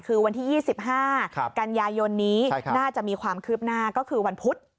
คือวันที่๒๕กันยายนนี้น่าจะมีความคืบหน้าก็คือวันพุธ